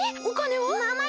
おかねは？